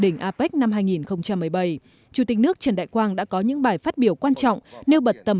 đỉnh apec năm hai nghìn một mươi bảy chủ tịch nước trần đại quang đã có những bài phát biểu quan trọng nêu bật tầm